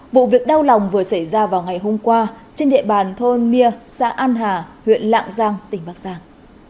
vụ việc đau lòng vừa xảy ra vào ngày hôm qua trên địa bàn thôn mya xã an hà huyện lạng giang tỉnh bắc giang